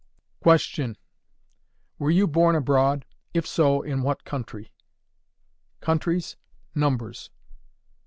Question. WERE YOU BORN ABROAD? IF SO, IN WHAT COUNTRY? Countries. Numbers.